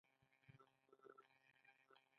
د باسمتي وریجې خوشبويه وي.